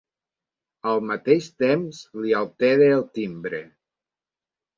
Al mateix temps li altera el timbre.